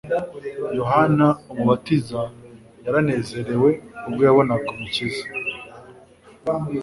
Yohana umubatiza yaranezerewe ubwo yabonaga Umukiza.